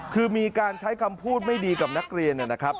คือมีการใช้คำพูดไม่ดีกับนักเรียนนะครับ